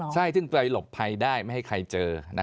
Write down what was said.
ใช่ซึ่งไปหลบภัยได้ไม่ให้ใครเจอ